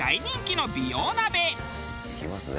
いきますね